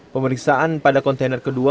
pemeriksaan pada kontainer kedua